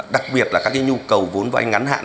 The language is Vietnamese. đặc biệt là các nhu cầu vốn vay ngắn hạn